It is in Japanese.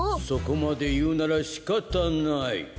そこまでいうならしかたない。